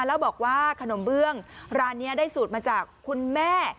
แล้วบอกว่าขนมเบื้องร้านนี้ได้สูตรมาจากคุณแม่